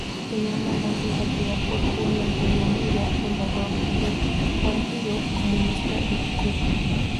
Tenía una gran simpatía por Julio Antonio Mella, fundador del Partido Comunista de Cuba.